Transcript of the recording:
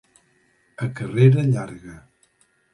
A carrera llarga.